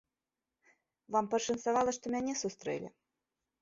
Вам пашанцавала, што мяне сустрэлі.